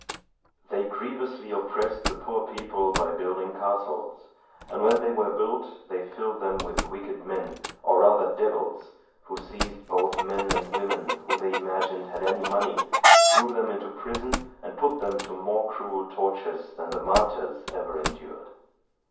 "They grievously oppressed the poor people by building castles; and when they were built, they filled them with wicked men, or rather devils, who seized both men and women who they imagined had any money, threw them into prison, and put them to more cruel tortures than the martyrs ever endured.